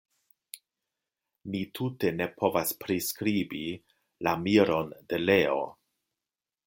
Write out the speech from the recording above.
Ni tute ne povas priskribi la miron de Leo.